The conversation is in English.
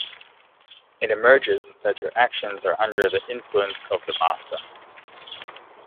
It emerges that her actions are under the influence of the Master.